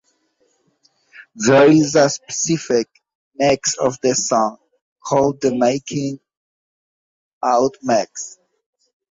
There is a specific mix of this song called the Making Out Mix.